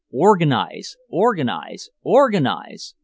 "Organize! Organize! Organize!"